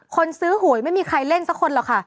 คนซื้อหวยไม่มีใครเล่นสักคนหรอกค่ะ